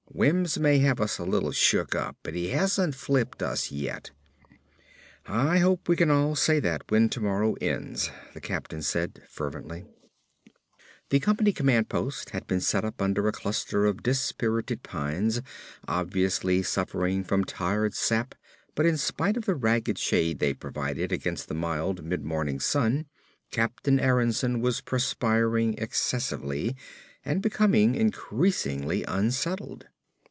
Wims may have us a little shook up but he hasn't flipped us yet." "I hope we can all say that when tomorrow ends," the captain said fervently. The company command post had been set up under a cluster of dispirited pines obviously suffering from tired sap but in spite of the ragged shade they provided against the mild, mid morning sun, Captain Aronsen was perspiring excessively and becoming increasingly unsettled.